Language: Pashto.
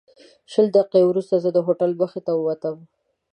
شل دقیقې وروسته زه د هوټل مخې ته ووتم.